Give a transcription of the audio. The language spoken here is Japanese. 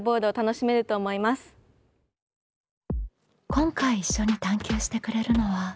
今回一緒に探究してくれるのは。